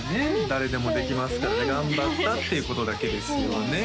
誰でもできますからね頑張ったっていうことだけですよね